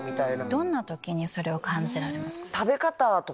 どんな時それを感じられますか？